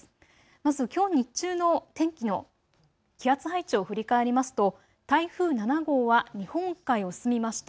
まずきょう日中の天気の気圧配置を振り返りますと台風７号は日本海を進みました。